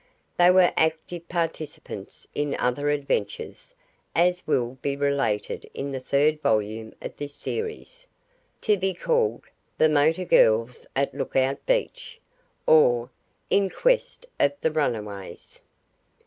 They were active participants in other adventures, as will be related in the third volume of this series, to be called "The Motor Girls at Lookout Beach; Or, In Quest of the Runaways."